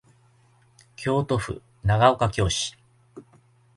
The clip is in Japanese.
京都府長岡京市